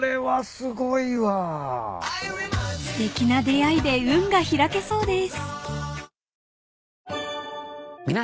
［すてきな出会いで運が開けそうです］